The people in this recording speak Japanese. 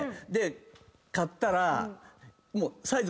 で買ったらもう。